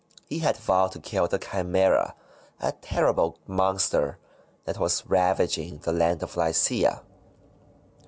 He had vowed to kill the Chimsera, a terrible monster that was ravaging the land of Lycia.